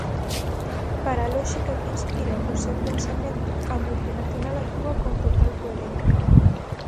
Para a lóxica que inspira o seu pensamento, a multinacional actúa con total coherencia.